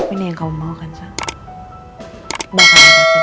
ini yang kamu mau kan